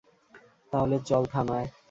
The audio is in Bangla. তাহলে চল থানায়।